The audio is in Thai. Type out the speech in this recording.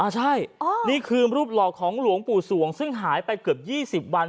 ใช่นี่คือรูปหล่อของหลวงปู่สวงซึ่งหายไปเกือบ๒๐วัน